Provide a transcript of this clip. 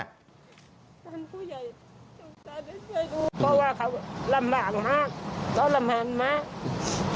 ก็ว่าครับต้องลำบากมากต้องทำงาน